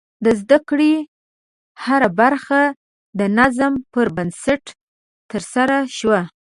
د زده کړې هره برخه د نظم پر بنسټ ترسره شوه.